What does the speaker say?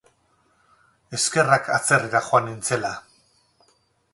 Eskerrak atzerrira joan nintzela!